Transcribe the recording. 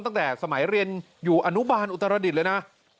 ตั้งแต่สมัยเรียนอยู่อนุบาลอุตรดิษฐ์เลยนะ